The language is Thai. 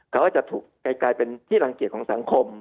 เขาก็จะถูกกลายเป็นที่รังเกียจของสังคม